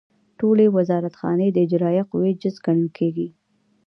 ټولې وزارتخانې د اجرائیه قوې جز ګڼل کیږي.